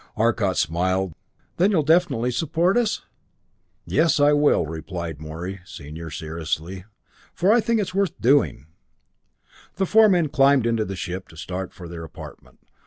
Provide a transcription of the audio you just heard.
Arcot smiled. "Then you'll definitely support us?" "Yes, I will," replied Morey, Senior, seriously, "for I think it's worth doing." The four young men climbed into the ship, to start for their apartment.